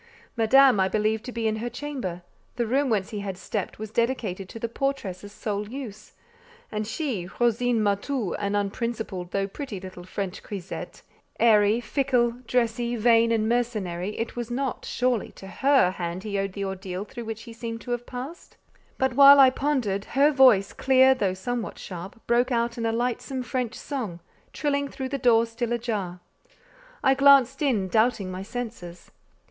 Madame I believed to be in her chamber; the room whence he had stepped was dedicated to the portress's sole use; and she, Rosine Matou, an unprincipled though pretty little French grisette, airy, fickle, dressy, vain, and mercenary—it was not, surely, to her hand he owed the ordeal through which he seemed to have passed? But while I pondered, her voice, clear, though somewhat sharp, broke out in a lightsome French song, trilling through the door still ajar: I glanced in, doubting my senses.